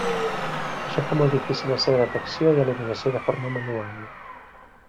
Això fa molt difícil la seva detecció i eliminació de forma manual.